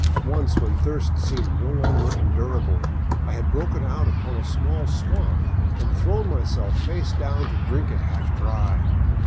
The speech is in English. Once, when thirst seemed no longer endurable, I had broken out upon a small swamp and thrown myself face down to drink it half dry.